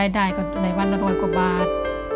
ได้ก็ในวันรวมกว่าบาท